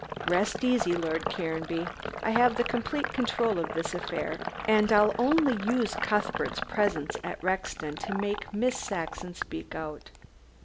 "Rest easy, Lord Caranby. I have the complete control of this affair, and I'll only use Cuthbert's presence at Rexton to make Miss Saxon speak out.